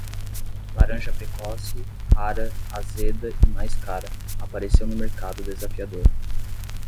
Laranja precoce, rara, azeda e mais cara, apareceu no mercado desafiador.